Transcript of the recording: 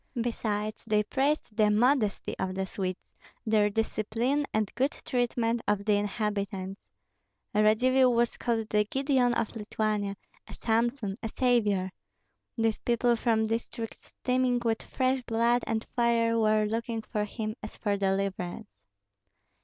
Besides, they praised the "modesty" of the Swedes, their discipline, and good treatment of the inhabitants. Radzivill was called the Gideon of Lithuania, a Samson, a savior. These people from districts steaming with fresh blood and fire were looking for him as for deliverance.